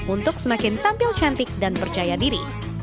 untuk semakin tampil cantik dan percaya diri